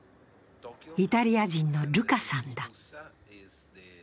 イタリア人のルカさんだ。